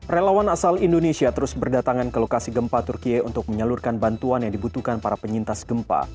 relawan asal indonesia terus berdatangan ke lokasi gempa turkiye untuk menyalurkan bantuan yang dibutuhkan para penyintas gempa